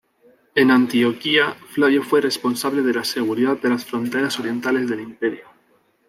En Antioquía, Flavio fue responsable de la seguridad de las fronteras orientales del imperio.